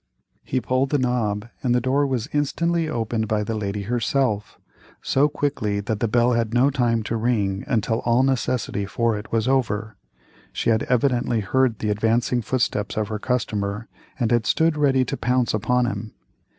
He pulled the knob and the door was instantly opened by the lady herself, so quickly that the bell had no time to ring until all necessity for it was over—she had evidently heard the advancing footsteps of her customer, and had stood ready to pounce upon him.